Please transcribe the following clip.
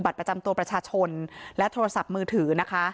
ประจำตัวประชาชนและโทรศัพท์มือถือนะคะ